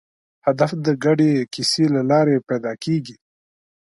هدف د ګډې کیسې له لارې پیدا کېږي.